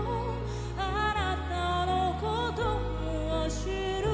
「あなたのことを知るたびに」